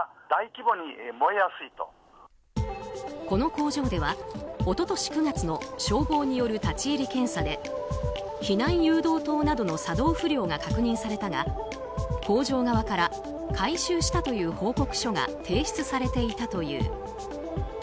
この工場では、一昨年９月の消防による立ち入り検査で避難誘導灯となどの作動不良が確認されたが工場側から改修したという報告書が提出されていたという。